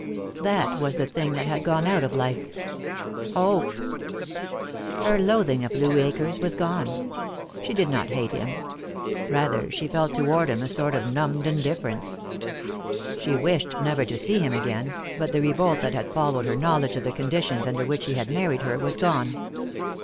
That was the thing that had gone out of life. Hope. Her loathing of Louis Akers was gone. She did not hate him. Rather she felt toward him a sort of numbed indifference. She wished never to see him again, but the revolt that had followed her knowledge of the conditions under which he had married her was gone.